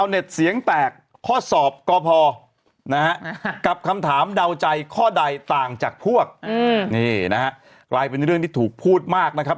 นี่นะฮะกลายเป็นเรื่องที่ถูกพูดมากนะครับ